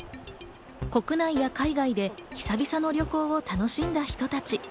国内や海外で久々の旅行を楽しんだ人たち。